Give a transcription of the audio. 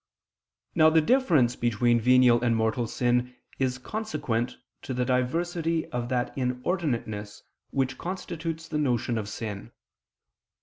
Now the difference between venial and mortal sin is consequent to the diversity of that inordinateness which constitutes the notion of sin.